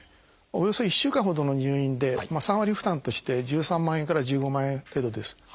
およそ１週間ほどの入院で３割負担として１３万円から１５万円程度です。